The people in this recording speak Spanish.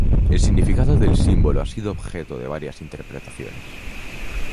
El significado del símbolo ha sido objeto de varias interpretaciones.